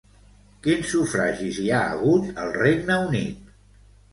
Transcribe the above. Quins sufragis hi ha hagut al Regne Unit?